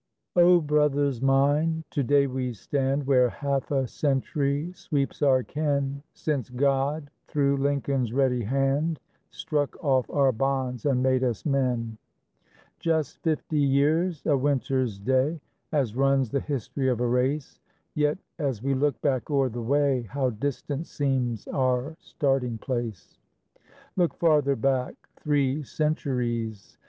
_ O brothers mine, to day we stand Where half a century sweeps our ken, Since God, through Lincoln's ready hand, Struck off our bonds and made us men. Just fifty years a winter's day As runs the history of a race; Yet, as we look back o'er the way, How distant seems our starting place! Look farther back! Three centuries!